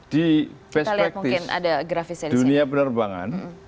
di perspektif dunia penerbangan